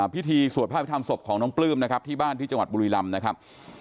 พิธีสวดพระพิธรรมศพของน้องปลื้มนะครับที่บ้านที่จังหวัดบุรีรำนะครับ